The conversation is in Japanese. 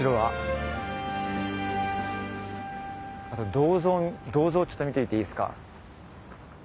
あと銅像ちょっと見ていっていいですか。